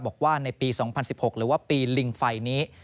บอกว่าในปี๒๐๑๖หรือว่าปีลิงไฟนี้